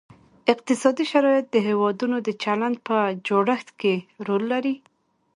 اقتصادي شرایط د هیوادونو د چلند په جوړښت کې رول لري